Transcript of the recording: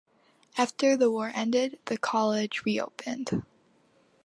After the war ended, the college reopened.